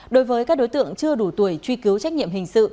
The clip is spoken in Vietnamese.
đối với các đối tượng chưa đủ tuổi truy cứu trách nhiệm hình sự